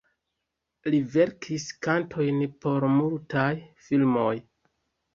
Li verkis kantojn por multaj filmoj.